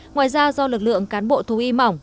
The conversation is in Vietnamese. ngoài ra do lực lượng cán bộ thú y mỏng